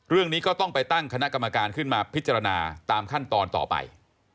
เรื่องนี้ก็ต้องไปตั้งคณะกรรมการขึ้นมาพิจารณาตามขั้นตอนต่อไป